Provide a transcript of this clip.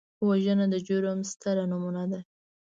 وژنه د جرم ستره نمونه ده